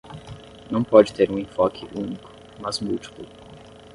não pode ter um enfoque único, mas múltiplo.